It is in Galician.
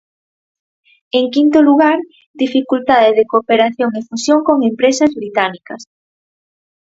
En quinto lugar, dificultade de cooperación e fusión con empresas británicas.